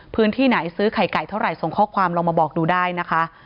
พื้นที่ไหนซื้อไข่ไก่เท่าไหร่ส่งข้อความลองมาบอกดูได้นะคะ